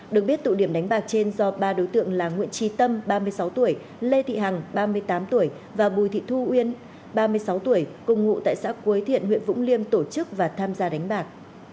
được biết tụ điểm đánh bạc trên do ba đối tượng là nguyễn trí tâm ba mươi sáu tuổi lê thị hằng ba mươi tám tuổi và bùi thị thu uyên ba mươi sáu tuổi cùng ngụ tại xã quế thiện huyện vũng liêm tổ chức và tham gia đánh bạc